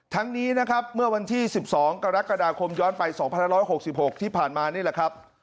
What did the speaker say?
ทั้งนี้นะครับเมื่อวันที่๑๒กรกฎาคมย้อนไป๒๑๖๖ที่ผ่านมานี่แหละครับ